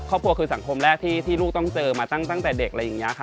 ครอบครัวคือสังคมแรกที่ลูกต้องเจอมาตั้งแต่เด็ก